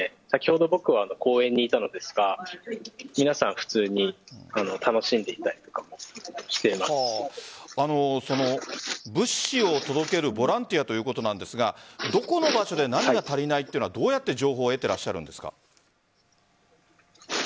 先ほど僕は公園にいたんですが皆さん普通に楽しんでいたりとかも物資を届けるボランティアということなんですがどこの場所で何が足りないというのはどうやって情報を得ていらっしゃるんですか？